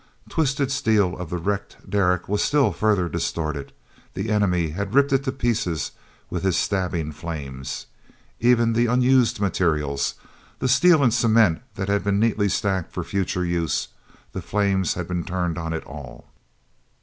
Twisted steel of the wrecked derrick was still further distorted; the enemy had ripped it to pieces with his stabbing flames. Even the unused materials, the steel and cement that had been neatly stacked for future use—the flames had been turned on it all.